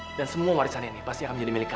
udah deh kamu tuh jangan nangis terus